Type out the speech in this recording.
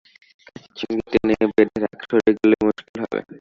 গাছের সঙ্গে টেনে নৌকা বাঁধ, সরে গেলে মুশকিল হবে।